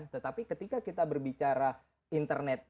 tetapi ketika kita berbicara internet